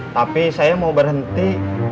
tapi saya mau berhenti